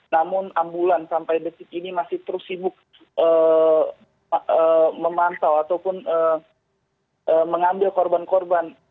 namun ambulan sampai detik ini masih terus sibuk memantau ataupun mengambil korban korban